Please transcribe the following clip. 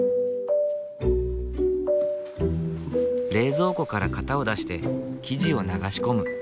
冷蔵庫から型を出して生地を流し込む。